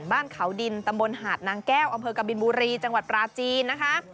บ้านเขาดินตำบลหาดนางแก้วอำเภอกบินบุรีจังหวัดปราจีนนะคะ